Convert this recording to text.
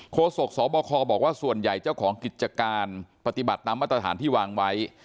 โศกสบคบอกว่าส่วนใหญ่เจ้าของกิจการปฏิบัติตามมาตรฐานที่วางไว้